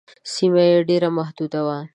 سیمه یې ډېره محدوده وه.